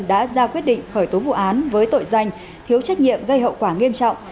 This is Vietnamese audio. đã ra quyết định khởi tố vụ án với tội danh thiếu trách nhiệm gây hậu quả nghiêm trọng